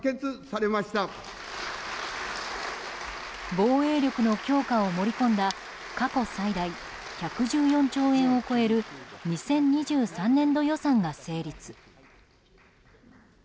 防衛力の強化を盛り込んだ過去最大、１１４兆円を超える２０２３年度予算が成立。